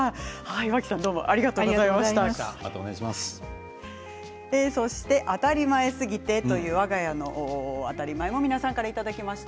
脇さん、ありがとうございました。